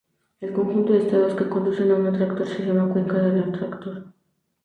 El conjunto de estados que conducen a un atractor se llama "cuenca" del atractor.